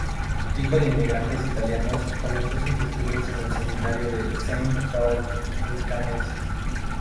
Hijo de inmigrantes italianos, empezó sus estudios en el seminario de Saint-Paul en Cannes.